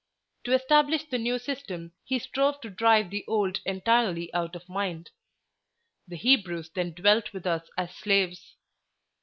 To establish the new system, he strove to drive the old entirely out of mind. The Hebrews then dwelt with us as slaves.